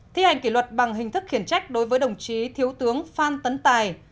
thi hành kỷ luật bằng hình thức khiển trách đối với đồng chí thiếu tướng phan tấn tài